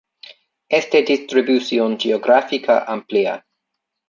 Es de distribución geográfica amplia.